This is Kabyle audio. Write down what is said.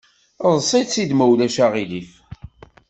Eḍs‑itt-id ma ulac aɣilif!